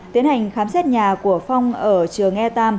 tiến hành khám xét nhà của phong ở trường e tam